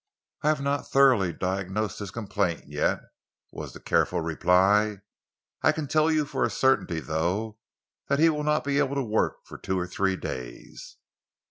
"I have not thoroughly diagnosed his complaint as yet," was the careful reply. "I can tell you for a certainty, though, that he will not be able to work for two or three days."